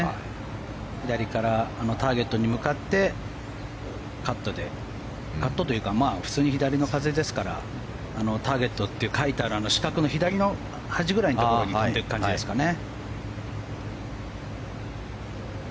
左からターゲットに向かってカットというか普通に左の風ですからターゲットって書いてある四角の左の端ぐらいのところに飛んでいく感じですかね。